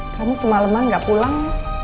kamu semaleman gak pulang